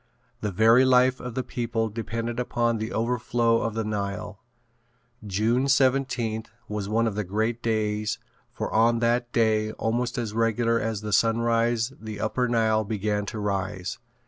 The very life of the people depended upon the overflow of the Nile. June 17th was one of the great days for on that day almost as regular as the sunrise the upper Nile began to rise.